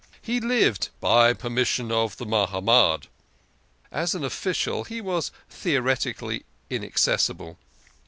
He lived " by permission of the Mahamad." As an official he was theoretically inaccessible.